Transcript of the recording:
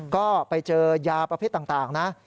ก็ไปเจอยาประเภทต่างนะ